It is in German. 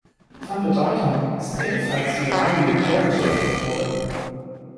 Von Bedeutung ist ebenfalls die Radiokohlenstoffmethode.